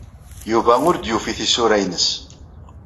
Yuba ur d-yufi tisura-nnes.